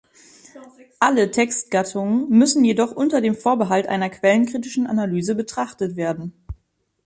Alle Textgattungen müssen jedoch unter dem Vorbehalt einer quellenkritischen Analyse betrachtet werden.